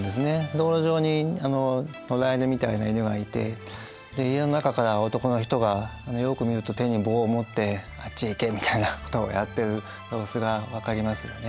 道路上に野良犬みたいな犬がいて家の中から男の人がよく見ると手に棒を持って「あっちへ行け！」みたいなことをやってる様子が分かりますよね。